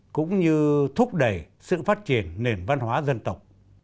cũng như thúc đẩy sự phát triển nền văn hóa dân tộc